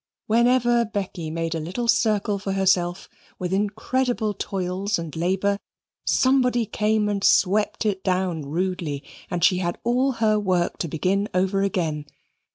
Whenever Becky made a little circle for herself with incredible toils and labour, somebody came and swept it down rudely, and she had all her work to begin over again.